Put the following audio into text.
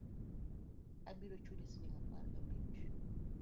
Abiro chuli siling apar ga abich